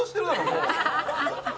もう。